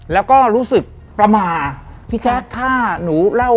แล้วก็รู้สึกประมาา